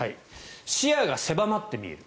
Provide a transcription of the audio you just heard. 視野が狭まって見える。